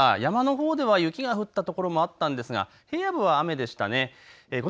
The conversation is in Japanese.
山のほうでは雪が降った所もあったんですが、平野部は雨でしたね。